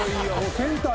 センター。